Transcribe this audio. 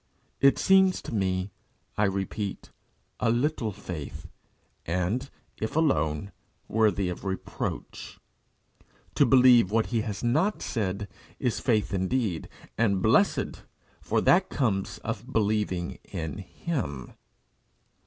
It seems to me, I repeat, a little faith, and, if alone, worthy of reproach. To believe what he has not said is faith indeed, and blessed. For that comes of believing in HIM.